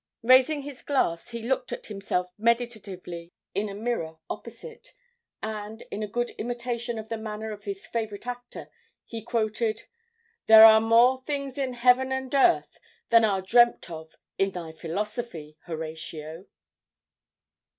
Raising his glass, he looked at himself meditatively in a mirror opposite, and, in a good imitation of the manner of his favorite actor, he quoted: "There are more things in heaven and earth than are dreamt of in thy philosophy, Horatio."